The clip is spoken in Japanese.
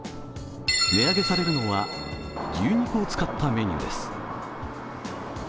値上げされるのは牛肉を使ったメニューです。